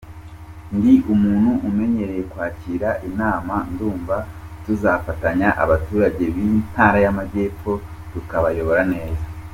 Ndi Umuntu umenyereye kwakira inama, ndumva tuzafatanya abaturage b’Intara y’Amajyepfo tukabayobora neza”.